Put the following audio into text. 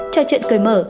cho chuyện cười mở